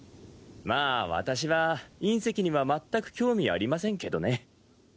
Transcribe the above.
まあ私は隕石には全く興味ありませんけどね。